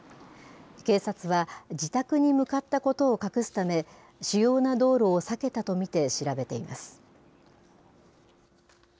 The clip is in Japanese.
警察は、自宅に向かったことを隠すため、主要な道路を避けたと見て調べています。